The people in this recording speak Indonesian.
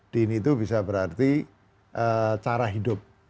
din itu bisa berarti cara hidup